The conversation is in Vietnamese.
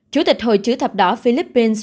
chủ tịch hội chữ thập đỏ philippines